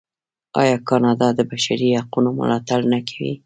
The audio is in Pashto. آیا کاناډا د بشري حقونو ملاتړ نه کوي؟